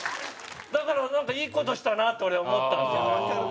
だからなんかいい事したなって俺は思ったんですよ。